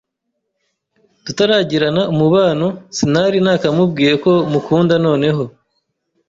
tutaragirana umubano, sinari nakamubwiye ko mukunda noneho